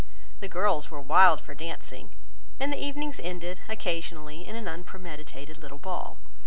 The girls were wild for dancing; and the evenings ended, occasionally, in an unpremeditated little ball.